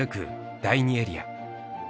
第２エリア。